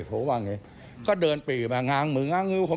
ผู้แต่งเข้ามีการขลับขึ้นแล้วครับ